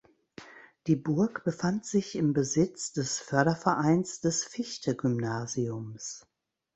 Die Burg befand sich im Besitz des Fördervereins des Fichte-Gymnasiums.